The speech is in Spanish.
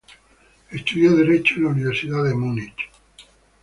Estudió Derecho en la Universidad de Munich.